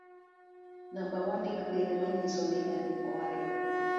Namba mondik piny manyiso ni en owadwa